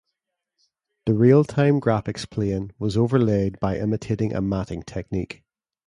The real-time graphics plane was overlaid by imitating a matting technique.